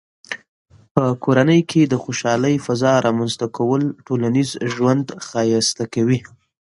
په کورنۍ کې د خوشحالۍ فضاء رامنځته کول ټولنیز ژوند ښایسته کوي.